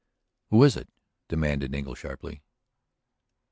"Who is it?" demanded Engle sharply.